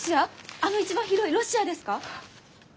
あの一番広いロシアですか！？